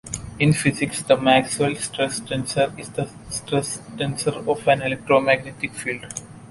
In physics, the Maxwell stress tensor is the stress tensor of an electromagnetic field.